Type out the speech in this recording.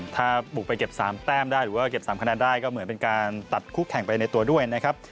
ถ้าบุกไปเก็บ๓แต้มได้หรือว่าเก็บ๓คะแนนได้ก็เหมือนเป็นการตัดคู่แข่งไปในตัวด้วยนะครับ